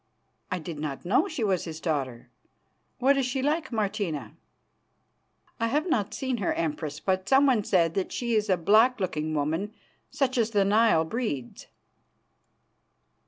"I did not know she was his daughter. What is she like, Martina?" "I have not seen her, Empress, but someone said that she is a black looking woman, such as the Nile breeds."